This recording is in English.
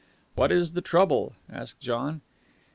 "What is the trouble?" asked John.